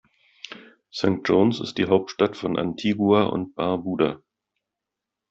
St. John’s ist die Hauptstadt von Antigua und Barbuda.